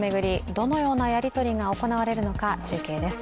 どのようなやり取りが行われるのか、中継です。